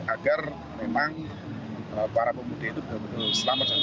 agar memang para pemudik itu selamat dan berhubung